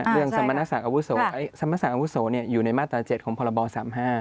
เรื่องสมณสักอาวุโสสมณสักอาวุโสอยู่ในมาตรา๗ของพศ๓๕